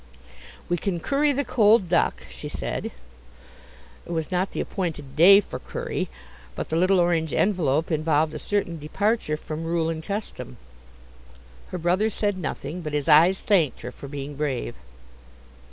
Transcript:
"We can curry the cold duck," she said. It was not the appointed day for curry, but the little orange envelope involved a certain departure from rule and custom. Her brother said nothing, but his eyes thanked her for being brave.